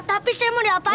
tapi saya mau diapain kak